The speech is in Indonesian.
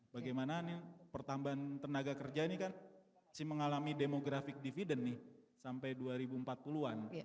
bagaimana pertambahan tenaga kerja ini kan si mengalami demographic dividend nih sampai dua ribu empat puluh an